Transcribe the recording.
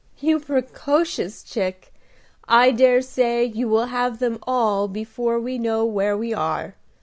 "You precocious chick! I dare say you will have them all before we know where we are.